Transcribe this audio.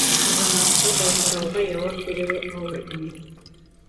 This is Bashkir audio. Азаматҡа был һорауга яуап биреүе ауыр ине.